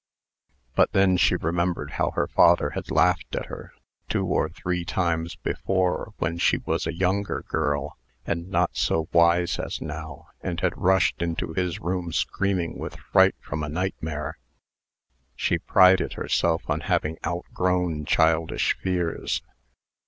But then she remembered how her father had laughed at her, two or three times before, when she was a younger girl, and not so wise as now, and had rushed into his room screaming with fright from a nightmare. She prided herself on having outgrown childish fears.